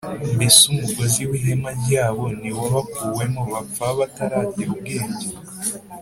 mbese umugozi w’ihema ryabo ntiwabakuwemo’ bapfa bataragira ubwenge